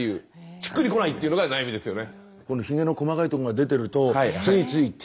しっくりこないっていうのが悩みですよね。